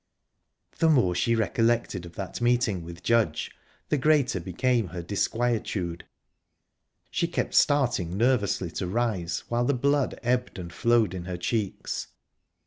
The more she recollected of that meeting with Judge, the greater became her disquietude; she kept starting nervously to rise, while the blood ebbed and flowed in her cheeks.